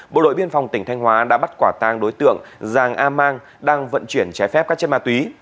bộ đội biên phòng tỉnh thanh hóa đã bắt quả tang đối tượng giàng a mang đang vận chuyển trái phép các chất ma túy